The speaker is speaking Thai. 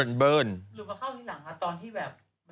หรือมาเข้าที่หลังคะตอนที่แบบ